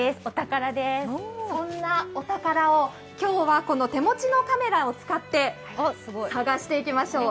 そんなお宝を今日は手持ちのカメラを使って探していきましょう。